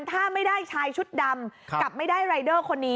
ถ้าไม่ได้ชายชุดดำกับไม่ได้รายเดอร์คนนี้